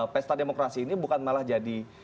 pesta demokrasi ini bukan malah jadi